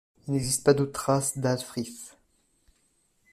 Il n'existe pas d'autre trace d'Alhfrith.